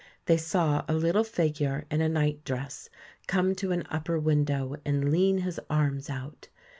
They saw a little figure in a night dress come to an upper window and lean his arms out.